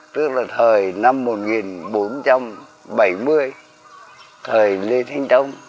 tức là thời năm một nghìn bốn trăm bảy mươi thời lê thanh đông